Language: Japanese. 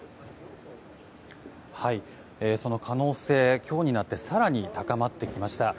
その可能性、今日になって更に高まってきました。